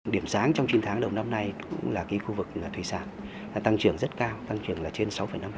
điểm sáng trong chín tháng đầu năm nay cũng là khu vực thuê sản tăng trưởng rất cao tăng trưởng trên sáu năm